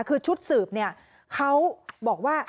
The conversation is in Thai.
คือชุดสืบเนี่ยเขาบอกว่า